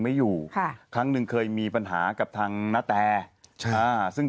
พลิกต๊อกเต็มเสนอหมดเลยพลิกต๊อกเต็มเสนอหมดเลย